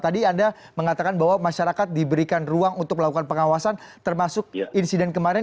tadi anda mengatakan bahwa masyarakat diberikan ruang untuk melakukan pengawasan termasuk insiden kemarin